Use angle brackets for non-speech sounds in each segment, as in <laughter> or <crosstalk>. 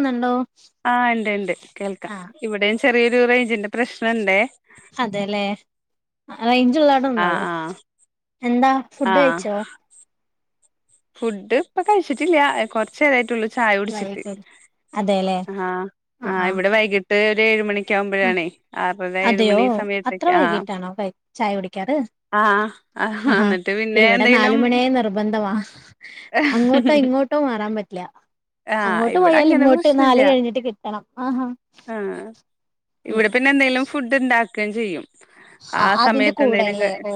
ന്നുണ്ടോ ആഹ് ഉണ്ട് ഉണ്ട് കേൾക്കാം ഇവിടെ ചെറിയൊരു റേഞ്ചിന്റെ പ്രശ്നണ്ടേ അതെല്ലേ റേഞ്ച് ഉള്ളതടെ ആഹ് നിന്നാളോ ആഹ് എന്താ ഫുഡ് ആഹ് കഴിച്ചോ ഫുഡ് ഇപ്പ കഴിച്ചിട്ടില്ല കൊറച്ചേതായിട്ടള്ളു ചായ കുടിച്ചിട്ട് വൈകല് അതെല്ലേ ആ് ആ് ആഹ് ഇവിടെ ആഹ് വൈകിട്ട് ഒരു ഏഴ മണിക്ക ആകുമ്പോഴണേ ആ അതെയോ അത്ര വൈകീട്ടാണോ ചായ കുടിക്കാറ് ആഹ് ആഹ് ആഹാ എന്നിട്ട് പിന്നെ ഇവിടെ എന്തെങ്കിലും നാലുമണിയായി നിർബന്ധ ന്തവാ അങ്ങോട്ടോ ഇങ്ങോട്ടോ മാറാൻ പറ്റില്ല ആഹ് അങ്ങോട്ട് ഇവിടെ പോയാൽ അങ്ങനെ ഇങ്ങോട്ട് നാല് കഴിഞ്ഞിട്ട് കിട്ടണം ആ ഹാ ആ ഇവിടെ പിന്നെ എന്തെങ്കിലും ഫുഡ് ഇണ്ട ക്കുകയും ചെയ്യും ആ അതിന്റെ സമയത്ത് എന്തെലും കൂടെല്ലേ ഓ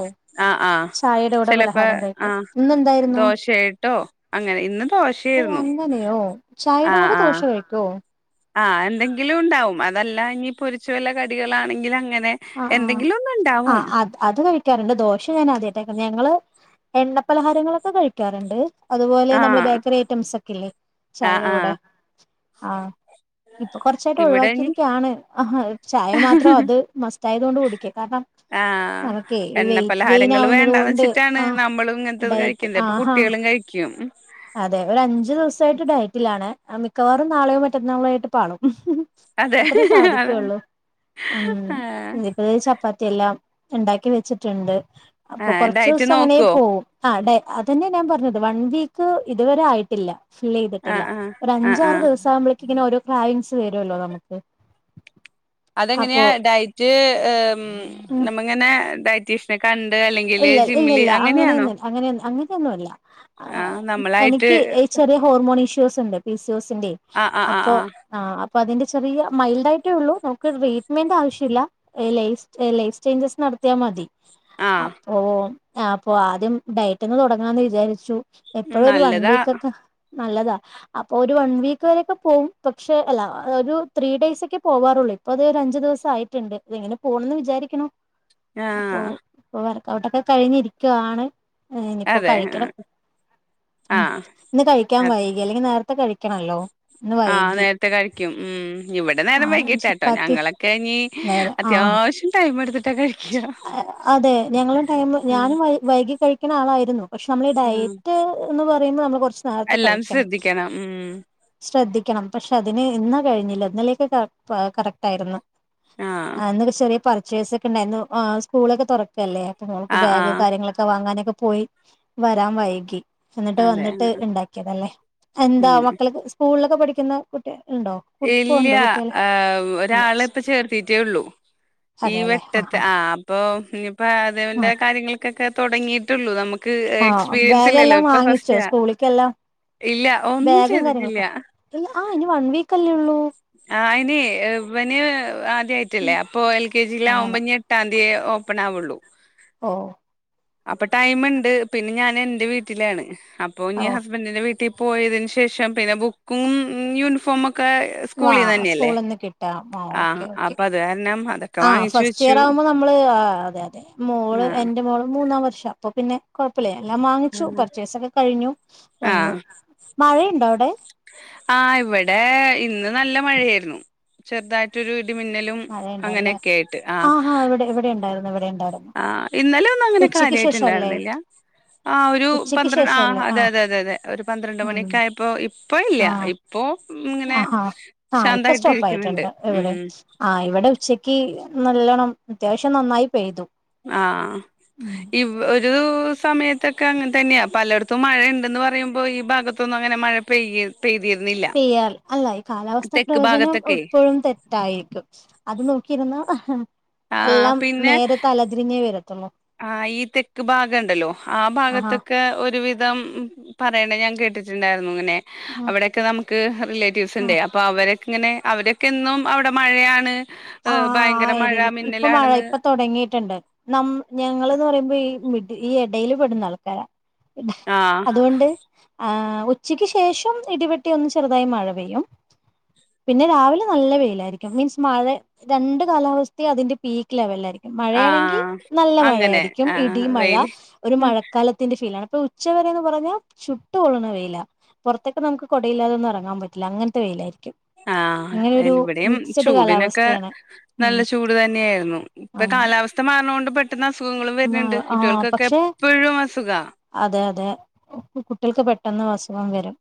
ആ ആ ചായയുടെ കൂടെ ചിലപ്പോ പലഹാരം ആ കഴിക്കും ഇന്നെന്തായിരുന്നു ദോശയായിട്ടോ അങ്ങനെ ഇന്ന് ഓ ദോശായിരുന്നു അങ്ങനെയോ ആ ചായയുടെ കൂടെ ആ ദോശ കഴിക്കോ ആഹ എന്തെങ്കിലും ഉണ്ടാവും അതല്ല ഇനി പൊരിച്ച വല്ല കടികളാണെങ്കിൽ അങ്ങനെ ആ എന്തെങ്കിലും ഒന്ന് ആ ഉണ്ടാവും ആ അത് അത് കഴിക്കാറുണ്ട് ദോഷ ഞാൻ ആദ്യട്ടേ ഞങ്ങള് എണ്ണ പലഹാരങ്ങളൊക്കെ കഴിക്കാറുണ്ട് അതുപോലെ ആ നമ്മുടെ ബേക്കറി ഐറ്റംസ് ഒക്കെ ഇല്ലേ ആ ചായയുടെ ആ കൂടെ ആ ഇപ്പൊ കുറച്ചായിട്ട് ഇവിടെ ഇനി ഒഴിവാക്കിയിരിക്കയാണ് അഹ് ചായ മാത്രേ അതോ മസ് ആഹ് എണ്ണ വെയിറ്റ് ഗെയിൻ പലഹാരങ്ങള് ആവുന്നത് വേണ്ടാന്ന് കൊണ്ട് വെച്ചിട്ടാണ് ആ നമ്മളും ഇങ്ങനത്തെ ഡയറ്റ് കഴിക്കുന്നെ അപ്പോ ആഹാ കുട്ടയോളും കയിക്കും അതെ ഒരു അഞ്ച് ദിവസായിട്ട് ഡയറ്റിലാണ് അ മിക്കവാറും നാളെ മറ്റെന്നാളായിട്ട് പാളും ഹും അതെ അത്രേ സാധിക്കുള്ളു ഉം ആ ഇനിപ്പോ ചപ്പാ എല്ലാം ണ്ടാക്കി വെച്ചിറ്റുണ്ട് ആ അപ്പോ ഡയറ്റ് കൊറച്ച്സം അങ്ങനെ നോക്കുവോ പോവും ആഹ് ഡേ അതെന്നെ ഞാൻ പറഞ്ഞത് വൺ വീ ഇത് ഇത് വരെ ആയിട്ടില്ല ഫില്ല് ആഹ് ചെയ്തിട്ടില്ല, ആഹ് ഒരു ആഹ് അഞ്ചാറു ആഹ് ദിവസം ആവുമ്പോഴേക്ക ഇങ്ങനെ ഓരോ <unintelligible> തരുല്ലോ നമുക്ക്, അപ്പോ അതെങ്ങനെയാ ഡയറ്റ്, ഉം നമ്മങ്ങനെ ഡയറ്റീഷ്യനെ കണ്ട ഇല്ല ഇല്ല ഇല്ല അങ്ങനെയൊന്നും അങ്ങന അങ്ങനെയൊന്നുമല്ല. ആഹ് നമ്മളായിട്ട് എനിക്ക് ചെറിയ ഹോർമോൺ ഇഷ്യു ഫീസ്ണ്ട് ഫീസ് ജോസിന്റെ ആഹ് ആഹ് അപ്പോ ആഹ് ആ, അപ്പ അതിന്റെ ചെറിയ മൈൽഡ് ആയിട്ടേ ഉള്ളു. നമുക്ക് ട്രീറ്റ്മെന്റ് ആവശ്യമില്ല. ലൈഫ് ചേഞ്ചസ് നടത്തിയാൽ മതി ആഹ് അപ്പോൾ ആ അപ്പൊ ആദ്യം ഡയറ്റന്ന് തുടങ്ങന്ന് വിചാരിച്ചു ആഹ് എപ്പോഴ ഒരു വൺ നല്ലതാ വീക്ക്ക്കെ നല്ലതാ, അപ്പൊ ഒരു വൺ വീക്ക് വരെക്കെ പോകും, പക്ഷെ അല്ല ഒരു ത്രീ ഡെയ്സ് ഒക്കെ പോവാറുള്ളൂ. ഇപ്പൊ അത് ഒരു അഞ്ചു ദിവസം ആയിട്ടുണ്ട്. ഇതങ്ങനെ പോകണന്ന് വിചാരിക്കണോ ആ ഇപ്പൊ വർക്കഔട്ട്ക്കെ കഴിഞ്ഞിരിക്കുവാണ്. ഇനിയിപ്പോ അതെ കഴിക്കണം. ഉ ആഹ് ഇന്ന് കഴിക്കാൻ രാത്രി വൈകി അല്ലെങ്കിൽ നേരത്തെ കഴി ക്കണല്ലോ ആഹ് നേരത്തെ കഴിക്കും ഉം ഇവിടെ ആ നേരം വൈകിട്ടാട്ടോ ചപ്പാത്തി ഞങ്ങളൊക്കെ ഇ നേരെ ആ അത്യാവശ്യം ടൈം എടുത്തിട്ട് അതെ ഞങ്ങളും ടൈം ഞാനും വൈകി കഴിക്കുന്ന ആളായിരുന്നു പക്ഷെ നമ്മൾ ഈ ആഹ് ഡയറ്റ് എന്ന് പറ നമ്മള് കൊറ എല്ലാം ശ്രദ്ധിക്കണം ഉം ക്കണം പക്ഷെ അതിന് ഇന്ന് കഴിഞ്ഞില്ല ഇന്നലേക്ക് കറക്റ്റ് ആയിരുന്നു ആഹ് ആ ഇന്നൊരു ചെറിയ പ <unintelligible> ഇണ്ടായിരുന്നു ആ സ്കൂളൊക്കെ തുറക്കല്ലേ- അപ്പ നമുക്ക് ആഹ് ബാഗ് ആഹ് കാര്യങ്ങളൊക്കെ വാങ്ങാനൊക്കെ പോയി വരാൻ വൈകി എന്നിട്ട് അതെ വന്നിട്ട് ഉണ്ടാക്കിയതല്ലേ എന്താ ഉം മക്കൾക്ക് സ്കൂളില് ക്കെ പഠിക്കുന്ന കുട്ടിയ ഇല്ല ഒരാളെ ഇപ്പ ചേർത്തിട്ടേള്ളു ഈ വെട്ട ആ അപ്പൊ ഇപ്പൊ അതിന്റെ കാര്യങ്ങൾക്കക്കെ- തുടങ്ങിയിട്ടുള്ളൂ നമു ആഹ ബാഗെല്ലാം വാങ്ങിച്ചോ സ്കൂളിക്ക്‌ എല്ലാം ഇല്ല ഒന്നും ബാഗും ചെയ്തിട്ടില്ല കാര്യങ്ങളൊക്കെ ആ ഇനി വൺ വീക്ക്ല്ലേ ഉള്ളൂ- ആ അയ്നെ ഇവന് ആദ്യയിട്ടല്ലേ അപ്പൊ എൽ കെ ജി യി അങ്ങനെ ലാവുമ്പ എട്ടാം തീയ- ഓപ്പണാവുള്ളൂ- ഓ അപ്പൊ ടൈമ് ഉണ്ട് പിന്നെ ഞാൻ എന്റെ വീട്ടിലാണ്- അപ്പൊ ഓ ഇനി ഹസ്ബന്റിന്റെ വീട്ടി പോയതിന് ശേഷം പിന്നെ ബുക്കും യൂണിഫോമോക്കെ വാ സ്കൂളിന്ന് കിട്ടാ ആ ഓക്കേ ഓക്കേ അപ്പൊ അത് കാരണം അതൊക്കെ ആ വാങ്ങിച്ചു ഫസ്റ്റ് വെച്ചു ഇയർ ആകുമ്പോൾ നമ്മള് അതെ അതെ മോള് ആ എന്റെ മോള് മൂന്നാം വർഷം അപ്പൊ പിന്നെ <unintelligible> എല്ലാം വാങ്ങിച്ചു പർച്ചേസ് ഒക്കെ കഴിഞ്ഞു ആ ആ വന്നു മഴയുണ്ടോ അവിടെ ആഹ് ഇവിടെ ഇന്ന് നല്ല മഴയായിരുന്നു ചെറുതായിട്ടൊരു മിന്നലും മഴയുണ്ടല്ലേ അങ്ങനെയൊക്കെ ആയിട്ട് ആ ഇവടേം ആ് ഇന്നലെ ഒന്നും അങ്ങനെ അല്ലേ കാര്യമായിട്ടുണ്ടായിരുന്നില്ല ആ ഒരു ഉച്ചക്ക് പന്ത്രണ്ട് ആ് ശേഷം അല്ലേ ആ അതെ അതെ അതെ അതെ ഒരു പന്ത്രണ്ട് ഉം മണിക്കയപ്പോ ഇപ്പ ഇല്ല ആ ഇപ്പോ ഇങ്ങനെ ആഹാ ആ ഇപ്പൊ ശാന്തായിട്ട് സ്റ്റോപ്പ് ഇരിക്കുന്നുണ്ട് ആയിട്ടുണ്ട് ഇവിടെ ഉം ആ ഇവിടെ ഉച്ചക്ക് നല്ലോണം അത്യാവശ്യം നന്നായി പേഴ്തു ആഹ് ഇവ് ഒരു സമയത്തൊക്കെ അങ്ങനെ തന്നെയാ പലയിടത്തും മഴയിണ്ടെന്ന് പറയുമ്പോ ഈ ഭാഗത്തൊന്നും അങ്ങനെ മഴ പെയ്യ പെയ്തിരുന്നില്ല പെയാറു അല്ല ഈ കാലാവസ്ഥാ തെക്ക് പ്രവചനം ഭാഗത്തൊക്കെ എപ്പോഴും തെറ്റായിരിക്കും അത് നോക്കിയിരുന്ന ഉം ആഹ് എല്ലാം പിന്നെ നേരെ തലതിരിഞ്ഞേ വര ആ ഈ തെക്ക് ഭാഗണ്ടല്ലോ ആ ആഹാ ഭാഗത്തക്കെ ഒരുവിധം പറയണ ഞാൻ കേ <unintelligible> ങ്ങനെ അവിടെക്കെ നമുക്ക് ആ റിലേറ്റീവ്സ്ണ്ടെ അപ്പൊ അവരെ ഇങ്ങനെ അവര്ക്കെ എന്നും അവിടെ മഴയാണ് ഏഹ് ആഹാ ആ ഭയങ്കര മഴ ഏരിയായില് ഇപ്പൊ മഴ മിന്നലാണെന്ന് ഇപ്പൊ തുടങ്ങിയിട്ടുണ്ട് നമ്മ ഞങ്ങള് ന്ന് പറയുമ്പോ ഈ മിഡി ഈ എടയിൽ പെടുന്ന ആൾക്കാരാ ഇ ആ അതുകൊണ്ട് ആ ഉച്ചയ്ക്ക് ശേഷം ഇടിവെട്ടി ഒന്ന് ചെറുതായി മഴ പെയ്യും പിന്നെ രാവിലെ നല്ല വെയിലായിരിക്കും മീൻസ് മഴ രണ്ട് കാലാവസ്ഥയും അതിന്റെ പീക് ലെവലിലായിരിക്കും ആ മഴയാണെങ്കിൽ നല്ല അങ്ങനെ മഴയായിരിക്കും ആ ഇടി മഴ വെയില് ഒരു മഴക്കാലത്തിന്റെ ഫീലാണ് ഇപ്പൊ ഉച്ചവരന്ന് പറഞ്ഞാൽ ചുട്ട് പൊള്ളണ വെയില പുറത്തേക്ക് നമുക്ക് കുടയില്ലാതൊന്നും ഇറങ്ങാൻ പറ്റില്ല അങ്ങനത്തെ വെയിലായിരിക്കും അഹാ അങ്ങനെ ഒരു അല്ലിവിടെയും മിക്സഡ് ചൂടിനൊക്കെ കാലാവസ്ഥയാണ് ടെ ഉം നല്ല ചൂട് തന്നെയായിരുന്നു ഇപ്പ കാലാവസ്ഥ മാറുന്നോണ്ട് പെട്ടന്ന് അസുഖങ്ങളും ആ വരുന്നുണ്ട് ആ കുട്ടികൾക്കൊക്കെ പക്ഷെ എപ്പോഴും അസു അതെ അതെ ഇപ്പോ കുട്ടികൾക്ക് പെട്ടെന്നാസു സുഖം വരും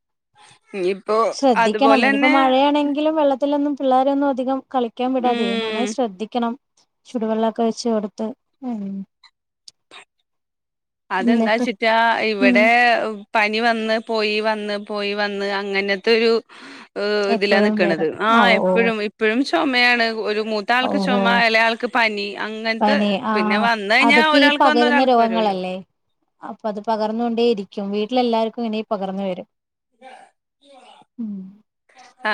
ഇനിയിപ്പോ ശ്രദ്ധിക്കണം അതുപോലെ ഇനിയിപ്പോ തന്നെ മഴയാണെങ്കിലും വെള്ളത്തി ള്ളത്തിലൊന്നും പിള്ളോരെയൊന്നും അധികം കളിക്കാൻ വിടാതെ ഉം നന്നായി ശ്രദ്ധിക്കണം ചുടുവെള്ളമൊക്കെ ഒഴിച്ച് കൊടുത്ത് ഉം അതെന്താ എന്നിട്ട് ചിട്ട് ട്ടാ ഉം ഇവിടെ ഉ പനി വന്ന് പോയി വന്ന് പോയി വന്ന് അങ്ങനെത്തെരു ഉം ഇത് ലാ എപ്പോഴും നിൽക്ണത് വരും ആ ആഹ് ഓ ഓ എപ്പഴും ഇപ്പോഴും ചോമയാണ് ഒരു മു ത്ത ആൾക്ക് ഓഹോ ചോമ ഇളയ ആൾക്ക് പനിയും അങ്ങൻത്തെ പനി ആ പിന്നെ വന്ന് കയ്ഞ്ഞാ ഒരാൾക്ക് വന്നാ ഒരാൾക്ക് വരോല്ലോ അപ്പ അത് പകർന്നൊണ്ടേ <unintelligible> ക്കും വീട്ട്ലെല്ലാർക്കും ഇനി പകർന്ന് വരും ഉം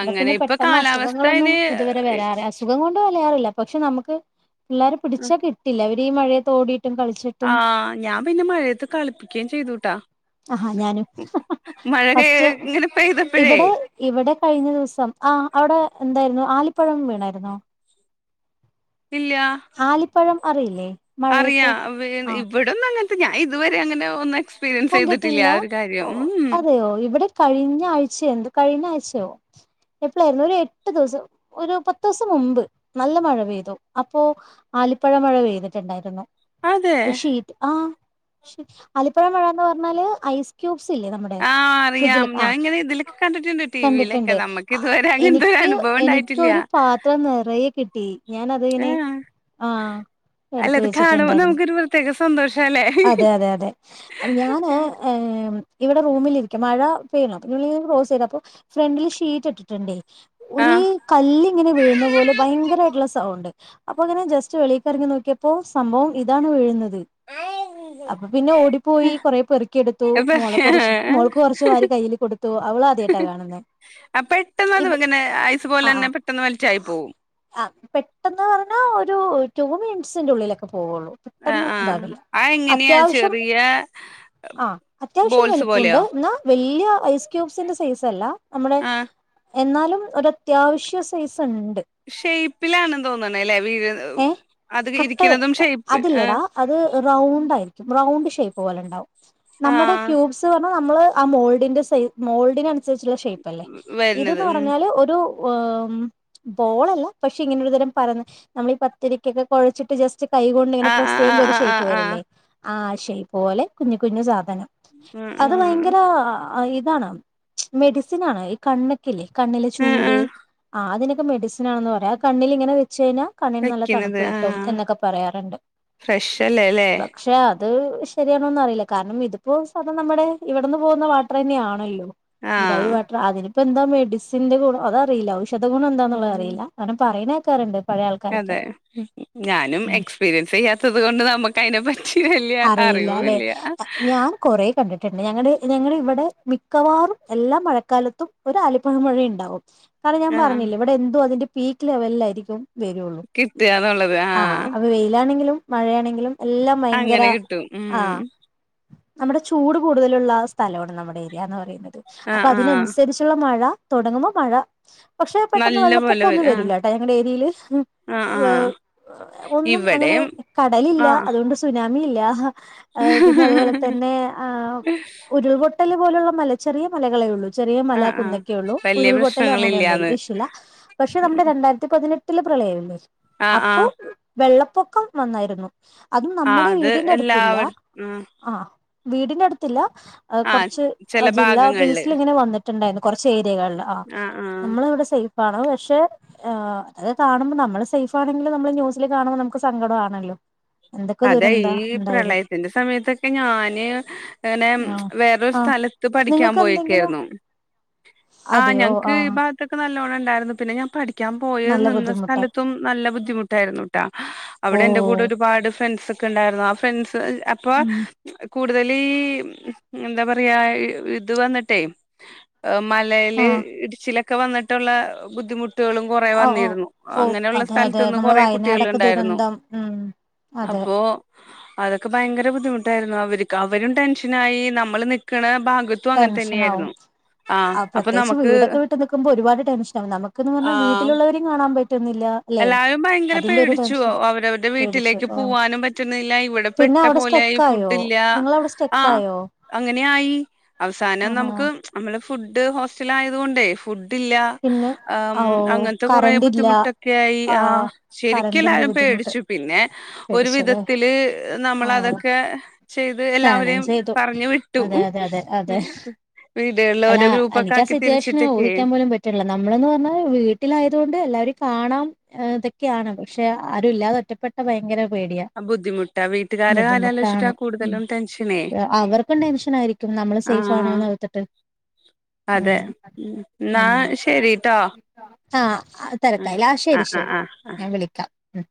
ഇവ്ടെ അങ്ങനെ പിന്നെ ഇപ്പൊ പെട്ടെന്ന് കാലാവസ്ഥ അസുഖങ്ങളൊന്നും അയിന് ഇതുവരെ വരാറ് അസുഖങ്ങൾ ലറില്ല പക്ഷെ നമക്ക് ഇല്ലാ പിടിച്ചാ കിട്ടില്ല വി ഈ മഴേത്തോടി ആഹ് ഞാൻ പിന്ന മഴയത്ത് കളിപ്പിക്കുകയും ചെയ്തുട്ടാ ആഹാ ഞാനും ഹ ഹ ഹ മഴ ഫസ്റ്റ് ഇങ്ങനെ പെയ്തപ്പോഴേ ഇവിടെ ഇവിടെ കഴിഞ്ഞ ദിവസം ആ അവിടെ എന്താരുന്നു ആലിപ്പഴം വീണാരുന്നോ ആലിപ്പഴം അറിയില്ലേ മഴയത്ത് അറിയാം വീഴ് ആ ഇവിടുന്നങ്ങനെ ഞാ ഇതുവരെ അങ്ങനെ ഒന്ന് എക്സ് കണ്ടിട്ടില്ല അതെയോ ഇവിടെ കഴിഞ്ഞ ആഴ്ച എന്തും കഴിഞ്ഞ ആഴ്ചയോ എപ്പളാ രുന്നു ഒരു എട്ട് ദിവസം ഒരു പത്ത് ദിവസം മുമ്പ് നല്ല മഴ പെയ്തു അപ്പോ ആലിപ്പഴ മഴ പെയ്തിട്ടുണ്ടായിരുന്നു അതെ ഷീറ്റ് ആഹ് ശ് ശ് ആലിപ്പഴ മഴ എന്ന് പറഞ്ഞാല് ഐസ്ക്യൂബ് സില്ലേ നമ്മുടെ ആഹ് ഫ്രിഡ്ജില അറിയാം ആ ഞാൻ ഇങ്ങനെ ഇതിലൊക്കെ കണ്ടിട്ടുണ്ട് ടിവിയിലൊക്കെ കണ്ടിട്ടുണ്ട് നമ്മക്ക് ഇതുവരെ അങ്ങനത്തെ ഒരു എനിക്ക് അനുഭവം ഉണ്ടായിട്ടില്ല എനിക്കൊരു പാത്രം നിറയെ കിട്ടി ഞാനതിങ്ങനെ ആഹ് ആ അല്ല എടുത്ത് ഇത് കാണുമ്പോ വെച്ചിട്ടുണ്ടായിരുന്നു നമുക്കൊരു പ്രത്യേക സന്തോഷല്ലേ അതെ അതെ അതെ അത് ഞാന് ഏമ് ഇവിടെ റൂമിലിരിക്കും മഴ പെയ്യണുഅപ്പോ ഫ്രണ്ടില് ഷീറ്റ് ഇട്ടിട്ടുണ്ടേ ഒരി ആഹ് കല്ലിങ്ങനെ വീഴുന്ന പോലെ ഭയങ്കരായിട്ടുള്ള സൗണ്ട് അപ്പൊ അങ്ങനെ ജസ്റ്റ് വെളീക്കിറങ്ങി നോക്കിയപ്പോ സംഭവം ഇതാണ് വീഴുന്നത് ആഹ് അപ്പ പിന്നെ ഓടി പോയി കൊറേ പെറുക്കിയെടുത്തു മോള് കൊറ മോൾക്ക് കൊറച്ച് വാരി കയ്യില് കൊടുത്തു അവളാദ്യായിട്ടാ കാണുന്നെ പെട്ടെന്ന് അത് ഇവി ഇങ്ങനെ ഐസ് പോലെ ആഹ് തന്നെ ആഹ് പെട്ടെന്ന് വലിച്ചായി പോവും ആഹ് പെട്ടെന്ന് പറഞ്ഞാ ഒരു റ്റൂ മിനിറ്റ്സിന്റെ ഉള്ളിലൊക്കെ പോവുള്ളൂ ആഹ് പെട്ടെന്ന് ആഹ് ആ എങ്ങനെയാ ചെറിയ ആ അത്യാവശ്യം ബോൾസ് വലിപ്പുണ്ട് പോലെയോ എന്നാ വലി വലിയ ഐസ് ക്യുബ്സിന്റെ സൈസ് അല്ല നമ്മുടെ ആഹ് എന്നാലും ഒരത്യാവശ്യ സൈസ് ഷെയ്പ്പിലാണെന്ന് തോന്നണല്ലേ വീഴ ഏ അത് കട്ടെ ഇരിക്കണതും ഷേയ്പ്പ് ആഹ് അതില്ലേടാ അത് റൗണ്ട് ആയിരിക്കും റൗണ്ട് ഷേ ഷേയ്പ്പ് പോലെ ഒണ്ടാവും. നമ്മടെ ആഹ് ക്യൂബ്സ് <unintelligible> നമ്മള് ആ മോൾഡിന്റെ സൈ മോൾഡിനൻ <unintelligible> ഷേയ്പ്പല്ലേ വരുന്നത് ഇതന്ന് ഉം പറഞ്ഞാല് ഒരു വേമ് പോളല്ല പക്ഷെ ഇങ്ങനെരു തരം പരന്ന് നമ്മളി പത്തിരിക്കൊക്കെ കൊഴച്ചിട്ട് ജസ്റ്റ് കൈകൊണ്ട് ഇങ്ങനെ ആഹ് പ്രസ് ആഹ് ചെയ്യുമ്പോ ഒരു ആഹ് ഷെയിപ് ആഹ് ആഹ് വരില്ലേ? ആ ഷെയിപ്പ് പോലെ കുഞ്ഞു കുഞ്ഞു സാധനം. ഉം അത് ഉം ഭയങ്കരാ ആ ഇതാണ് മെഡിസിനാണ് ഈ കണ്ണൊക്കെ ഇല്ലേ കണ്ണിലെ ആഹ് ചൂട് ആഹ് ആഹ് അതിനെ മെഡിസിനാണെന്നു പറയും അത് കണ്ണിലിങ്ങനെ വെച്ച് കഴിഞ്ഞാൽ കണ്ണിന് നല്ല വെക്കുന്നത് തണുപ്പ് കിട്ടും ആഹ് എന്നൊക്കെ പറയാറുണ്ട് ഫ്രഷല്ലേല്ലേ പക്ഷെ അ അത് ശരിയാണോന്ന് അറിയില്ല കാരണം ഇതിപ്പോ സാധാ നമ്മുടെ ഇവിടെന്ന് പോകുന്ന വാട്ടർ തന്നെയാണല്ലോ ഈ രവി ആഹ് വാട്ടർ അതിനും ഇപ്പ എന്താ മെഡിസിന്റെ <unintelligible> അതറിയില്ല <unintelligible> ഗുണം എന്താന്നുള്ളത് ഉം അറിയില്ല അവിടെ പറയണ ക്കാറുണ്ട് പഴേ അതെ ഞാനും എക്സ്പീരിയൻസ് ചെയ്യാത്തത് കൊണ്ട് നമുക്ക് അതിനെ പ അറിയില്ല അല്ലെ ഞാൻ കൊറെ കണ്ടിട്ട് പിന്നെ ഞങ്ങടെ ഞങ്ങടെ ഇവിടെ മിക്കവാറും എല്ലാ മഴക്കാലത്തും ഒരു ആലിപ്പഴം മഴയുണ്ടാവും കാരണം ഞാൻ ആഹ് പറഞ്ഞില്ലേ ഇവിടെ എന്തുവാ അതിന്റെ പീക്ക് ലെവലിലായിരിക്കും വരുള്ളൂ ആഹ് അത് വെയിലാണെങ്കിലും മഴയാണെങ്കിലും എല്ലാം മയ അങ്ങനെ കിട്ടും ഉം നമ്മുടെ ചൂട് കൂടുതലുള്ള സ്ഥലമാണ് നമ്മുടെ ഏരിയ എന്ന് പറയുന്നത് അപ്പൊ ആഹ് ആഹ് അതിനനുസരിച്ചുള്ള മഴ തുടങ്ങുമ്പോ മഴ പക്ഷെ പെട്ടെന്ന് നല്ല പോലെ വെള്ളപ്പൊക്കം ഒന്നും വരും ആഹ് വരൂല്ല കേട്ടാ ഞങ്ങടെ ഏരിയയില് ആഹ് ആഹ് ഒന്നും അങ്ങനെ ഇവിടെയും കടലില്ല ആഹ് അതുകൊണ്ട് സുനാ മീനില്ലായ്‌ഹാ അ പിന്നെ അതുപോലെ തന്നെ ആ ഉരുൾപൊ ട്ടല് പോലുള്ള മല ചെറിയ മലകളെ ഉള്ളൂ ചെറിയ മല ആഹ് ആഹ് കുന്നൊക്കെ ഉള്ളു വലിയ ഉരുൾപൊട്ടല് അങ്ങനെയൊന്നും ഇ പ്രശ്നങ്ങളില്ലാന്ന് ഇഷൂല്ല പഷേ നമ്മുടെ രണ്ടായിരത്തി പതിനെ ട്ടിലെ പ്രളയം ആഹ് അപ്പൊ ആഹ് വെള്ളപ്പൊക്കം വന്നായിരുന്നു അതും നമ്മ ആഹ് അത് എല്ലാവ ഉം വീടിന്റെടുത്ത്ല്ല ആ ആഹ് കുറച്ച് ചെല ജില്ലാ ഭാഗങ്ങളില് ബേസില് ങ്ങനെ വന്നി ട്ടുണ്ടായിരുന്നു കുറച്ചേ രിയകളില് ആ ആഹ് ആഹ് നമ്മള് ഇവിടെ സേ ഫാണ് പഷേ എ ത് കാണുമ്പ നമ്മള് സേഫ് ആണെങ്കിലും നമ്മള് ന്യൂസില് കാണുമ്പോ നമുക്ക് സങ്കടം ആണല്ലോ എന്തൊ അതെ ഈ പ്രളയത്തിന്റെ സമയത്തൊക്കെ ഞാന് ഇങ്ങനെ ച്ച് ആഹ് വേറൊരു ആഹ് സ്ഥലത്ത് പഠിക്കാൻ നിങ്ങൾക്ക് എന്തെങ്കിലും പോയക്കായിരുന്നു ആ അതെയോ ഞങ്ങക്ക് ഈ ആഹ് ഭാഗത്തൊക്കെ നല്ലോണം ഇ ണ്ടായിരുന്നു പിന്നെ ഞാൻ പഠിക്ക ക്കാൻ പോയ നല്ല നിന്ന ബുദ്ധിമുട്ടായി സ്ഥലത്തും നല്ല ബുദ്ധിമുട്ടായിരുന്നു ട്ടാ അവിടെ എന്റെ കൂടെ ഓഹ് ഒരുപാട് ഫ്രൻ ക്കെ ഇണ്ടാരുന്നൊ ആ ഫ്രണ്ട്സ് <unintelligible> അപ്പൊ ഉം കൂടുതലീ എന്താ പറയാ ഇത് വന്നിട്ടെ ഒ മലെല് ആഹ് ഇടിച്ചില ക്കെ വന്നിട്ടുള്ള ബുദ്ധിമു ആ ഓ ഓ അതെ അതെ സ്ഥലത്ത് നിന്ന് ഇന്നാള് കൊറെ വയനാടൊക്കെ കുട്ടികളുണ്ടായിരുന്നു ദുരന്തം ഉം. അതെ അപ്പോ അതൊക്കെ ഭയങ്കര ങ്കര ബുദ്ധിമുട്ടായിരുന്നു അവര്ക്ക് അവരും ടെൻഷനായി നമ്മൾ നിക്കണ ഭാ ടെൻഷനാവും ആ അപ്പൊ പ്രത്യേകിച്ച് നമുക്ക് വീടൊക്കെ വിട്ടു നിക്കുമ്പോ ഒരുപാട് ടെൻഷൻ ആവും നമുക്ക്ന്ന് പറഞ്ഞാ ആഹ് വീട്ടിലുള്ളവരേം കാണാൻ പറ്റ് എല്ലാരും ഭയങ്കര പേടിച്ചു, ടെൻഷൻ അവരവരുടെ പേടിച്ചു വീട്ടിലേക്ക് ഓഹ് പൂവാനും പറ്റുന്നില്ല, ഇവിടെ പിന്നെ പെട്ട അവിടെ പോലായി, സ്റ്റെക്ക് ആയോ ഫുഡ് ഇല്ല നിങ്ങളവിടെ ആ സ്റ്റെക്ക് ആയോ അങ്ങനെ ആയി. അവസാനം ആഹാ നമുക്ക് നമ്മള് ഫുഡ് ഹോസ്റ്റലിലായതുകൊണ്ടേ ഫുഡ് ഡില്ല പിന്നെ അം ഓ അങ്ങനത്തെ കൊറെ കറന്റ് ഇല്ല ബുദ്ധിമുട്ടൊക്കെ യി ആ ശരിക്ക് കറന്റിന്റെ എല്ലാരും ബുദ്ധിമുട്ട് പേടിച്ചു, പിന്നെ ഒരു പേടിച്ചല്ലേ വിധത്തില് ആ നമ്മളതൊക്കെ ചെയ്ത് തരണം എല്ലാവരെയും ചെയ്തു പറഞ്ഞു വിട്ടു, അതെ അതെ അതെ അതെ ഉം വീടുകളിൽ അല്ല ഓരോ ഗ്രൂപ്പൊക്കെ ആക്കി തിരിച്ചിട്ടൊക്കെയെ. ല്ല നമ്മള്ന്ന് പറഞ്ഞാ വീട്ടിലായതു കൊണ്ട് എല്ലാവരെം കാണാം, ഏം തൊക്കെയാണ് പക്ഷെ ആരുല്ലാതെ ഒറ്റപ്പെട്ട ഭയങ്കര പേടിയാ ബുദ്ധിമുട്ടാ വീട്ടുകാരെ കാര്യം ആലോചിച്ചിട്ടാ ബുദ്ധിമുട്ടാണ്, ഉം കൂടുതലും ടെൻഷനേ അവർക്കും ടെൻഷനായിരിക്കും നമ്മള് സേഫ് ആഹ് ആണോന്ന് ഓർത്തിട്ട് അതെ ഉം ഉം എന്നാ ഉം. ശരിട്ടോ ആ ഉം തെരക്കായില്ല ആ ശരി ആഹ് ആഹ് ശരി ആഹ് ആഹ് ഞാൻ വിളിക്കാം. ഉം